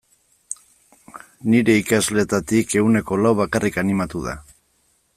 Nire ikasleetatik ehuneko lau bakarrik animatu da.